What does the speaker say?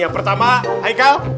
yang pertama haikal